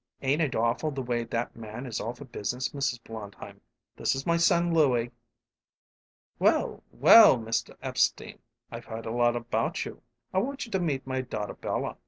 "Ain't it awful, the way that man is all for business, Mrs. Blondheim? This is my son Louie." "Well, well, Mr. Epstein. I've heard a lot about you. I want you to meet my daughter Bella.